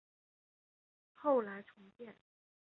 后来重建。